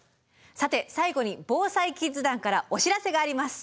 さて最後にＢＯＳＡＩキッズ団からお知らせがあります。